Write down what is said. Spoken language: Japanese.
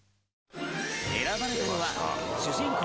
選ばれたのは主人公